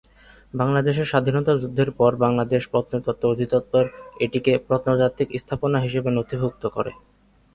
বাংলাদেশের স্বাধীনতা যুদ্ধের পর বাংলাদেশ প্রত্নতত্ত্ব অধিদপ্তর এটিকে প্রত্নতাত্ত্বিক স্থাপনা হিসেবে নথিভুক্ত করে।